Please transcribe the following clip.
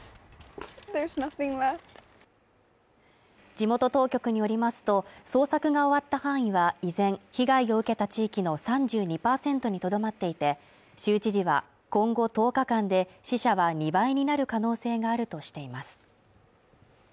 地元当局によりますと捜索が終わった範囲は依然被害を受けた地域の３２％にとどまっていて州知事は今後１０日間で死者は２倍になる可能性があるとしています